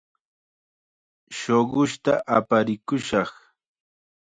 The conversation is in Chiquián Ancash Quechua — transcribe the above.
Shuqushta aparikushaq.